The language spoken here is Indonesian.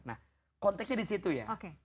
nah konteksnya disitu ya